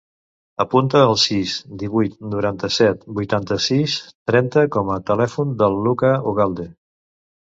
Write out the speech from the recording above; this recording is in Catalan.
Apunta el sis, divuit, noranta-set, vuitanta-sis, trenta com a telèfon del Lucca Ugalde.